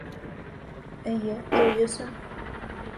Эйе, туй өсөн.